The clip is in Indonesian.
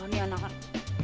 wah ini anak anak